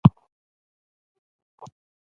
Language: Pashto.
غله دغه فدايي موټران هر ځاى ته چې موږ وروښيو بيايي.